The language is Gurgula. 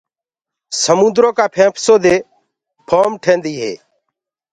سموندرو ڪي ڳِجھيِو دي ڦوم ٽيندي هي۔